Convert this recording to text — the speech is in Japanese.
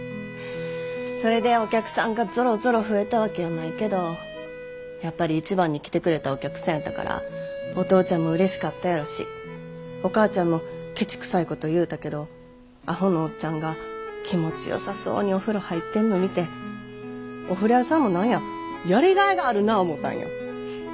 それでお客さんがぞろぞろ増えたわけやないけどやっぱり１番に来てくれたお客さんやったからお父ちゃんもうれしかったやろしお母ちゃんもケチくさいこと言うたけどアホのおっちゃんが気持ちよさそうにお風呂入ってんの見てお風呂屋さんも何ややりがいがあるな思たんよ。